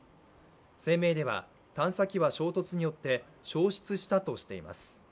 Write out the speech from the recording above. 声明では探査機は衝突によって消失したとしています。